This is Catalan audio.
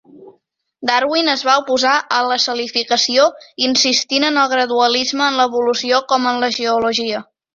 Darwin es va oposar a la salificació, insistint en el gradualisme en l'evolució com en la geologia.